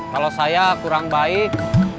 kalau saya kurang baik